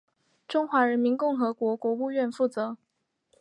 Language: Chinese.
中华人民共和国国务院负责。